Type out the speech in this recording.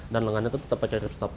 dan lengannya itu tetap pakai ripstop